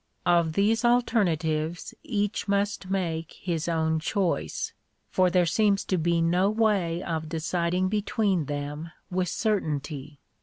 Of these alternatives each must make his own choice; for there seems to be no way of deciding between them with certainty.